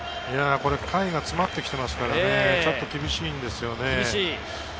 回が詰まって来ていますからね、ちょっと厳しいんですよね。